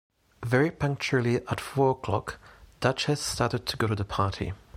Very punctually at four o'clock, Duchess started to go to the party.